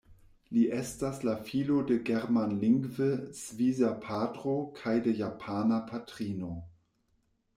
Li estas la filo de germanlingve svisa patro kaj de japana patrino.